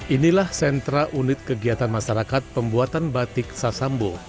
inilah sentra unit kegiatan masyarakat pembuatan batik sasambo